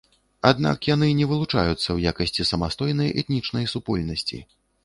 Аднак яны не вылучаюцца ў якасці самастойнай этнічнай супольнасці.